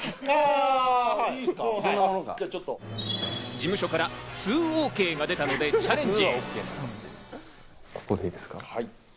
事務所から吸うＯＫが出たので、チャレンジ！